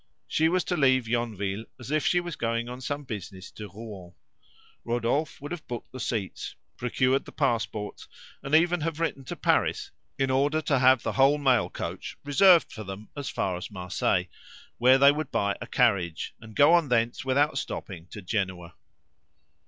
She was to leave Yonville as if she was going on some business to Rouen. Rodolphe would have booked the seats, procured the passports, and even have written to Paris in order to have the whole mail coach reserved for them as far as Marseilles, where they would buy a carriage, and go on thence without stopping to Genoa.